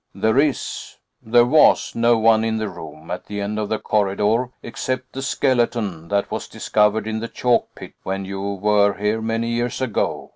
There is there was no one in the room at the end of the corridor, except the skeleton that was discovered in the chalk pit when you were here many years ago.